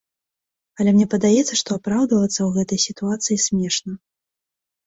Але мне падаецца, што апраўдвацца ў гэтай сітуацыі смешна.